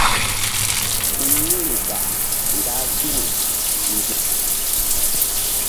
Gun wu̧yri ba ndah si̧w nzuk.